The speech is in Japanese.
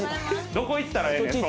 どこ行ったらええねんそんで。